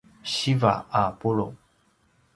siva a pulu’